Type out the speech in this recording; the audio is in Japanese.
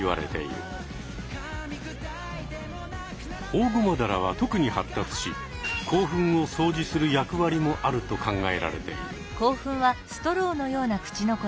オオゴマダラは特に発達し口吻をそうじする役割もあると考えられている。